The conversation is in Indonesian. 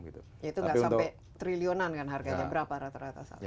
itu gak sampai triliunan kan harganya